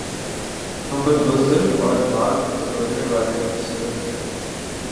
ہم پر بزدل اور مال بٹورنے والے مسلط ہیں